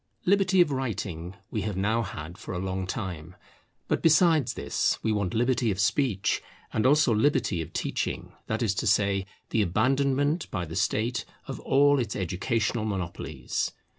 Liberty of writing we have now had for a long time. But besides this we want liberty of speech; and also liberty of teaching; that is to say, the abandonment by the State of all its educational monopolies.